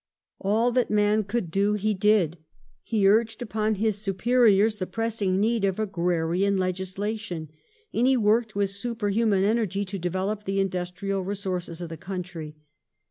All that man could do he did. He u!ged upon his superiors the pressing need of agrai'ian legislation, / and he worked with superhuman • energy to develop the industrial resources of the country.